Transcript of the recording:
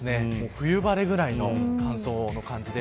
冬晴れくらいの乾燥の感じで。